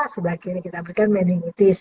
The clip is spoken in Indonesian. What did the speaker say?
sebelah kiri kita berikan meningitis